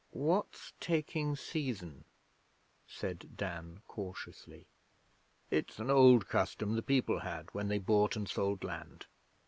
'What's taking seizin?' said Dan, cautiously. 'It's an old custom the people had when they bought and sold land.